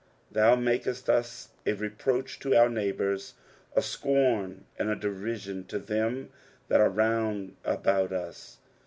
13 Thou makest us a reproach to our neighbours, a scorn and a derision to them that are round about us.